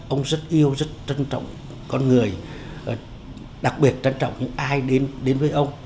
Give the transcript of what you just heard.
ông rất yêu rất trân trọng con người đặc biệt trân trọng những ai đến với ông